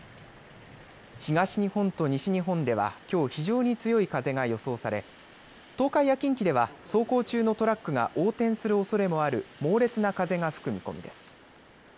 東日本と西日本ではきょう非常に強い風が予想され東海や近畿では走行中のトラックが横転するおそれもある猛烈な風が吹く見込みです。